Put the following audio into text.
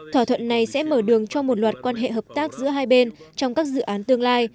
thỏa thuận này sẽ mở đường cho một loạt quan hệ hợp tác giữa hai bên trong các dự án tương lai